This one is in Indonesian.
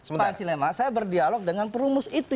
pan silema saya berdialog dengan perumus itu